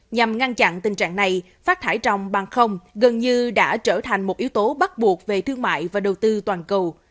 nhằm ngăn chặn tình trạng này phát thải trong bằng không gần như đã trở thành một yếu tố bắt buộc về thương mại và đầu tư toàn cầu